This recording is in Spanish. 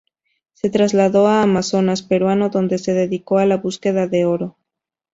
Se trasladó al Amazonas peruano, donde se dedicó a la búsqueda de oro.